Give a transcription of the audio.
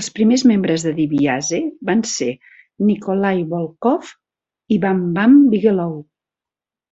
Els primers membres de DiBiase van ser Nikolai Volkoff i Bam Bam Bigelow.